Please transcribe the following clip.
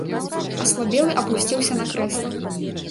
Аслабелы апусціўся на крэсла.